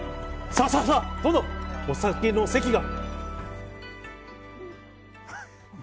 さあ、さあ、殿お酒の席が。